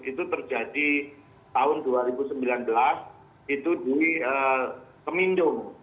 itu terjadi tahun dua ribu sembilan belas itu di kemindo